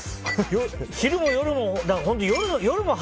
昼も夜も。